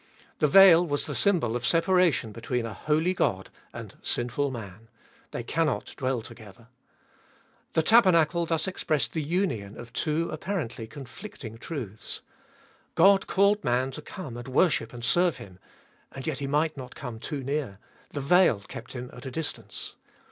The veil was the symbol of separation between a holy God and sinful man : they cannot dwell together. The tabernacle thus expressed the union of two apparently conflicting truths. God called man to come and worship and serve Him, and yet he might not come too near : the veil kept him at a distance.